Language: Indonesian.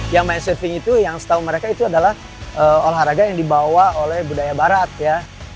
yang main surfing itu yang setahu mereka itu adalah olahraga yang dibawa oleh budaya barat ya